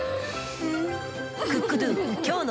うん！